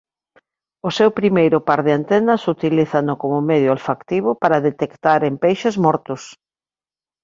O seu primeiro par de antenas utilízano como medio olfactivo para detectaren peixes mortos.